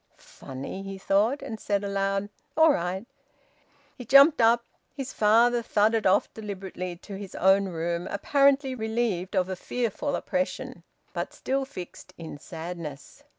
"Funny!" he thought, and said aloud, "All right." He jumped up. His father thudded off deliberately to his own room, apparently relieved of a fearful oppression, but still fixed in sadness.